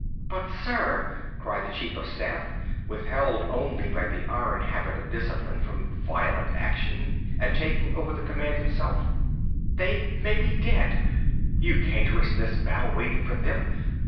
"But, sir," cried the chief of staff, withheld only by the iron habit of discipline from violent action and the taking over of command himself, "they may be dead! You can't risk this battle waiting for them!